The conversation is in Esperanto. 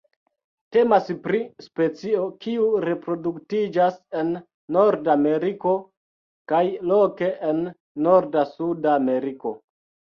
Temas pri specio kiu reproduktiĝas en Norda Ameriko kaj loke en norda Suda Ameriko.